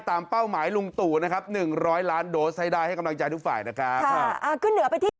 เป้าหมายลุงตู่นะครับ๑๐๐ล้านโดสให้ได้ให้กำลังใจทุกฝ่ายนะครับ